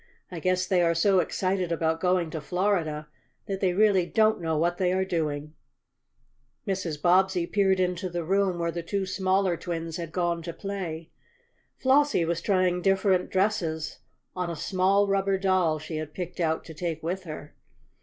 "I guess they are so excited about going to Florida that they really don't know what they are doing." Mrs. Bobbsey peered into the room where the two smaller twins had gone to play. Flossie was trying different dresses on a small rubber doll she had picked out to take with her.